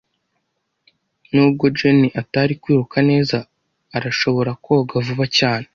Nubwo Jane atari kwiruka neza, arashobora koga vuba cyane.